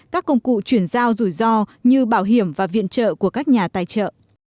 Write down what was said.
các công cụ chuyển giao rủi ro như bảo hiểm và viện trợ của các nhà tài trợ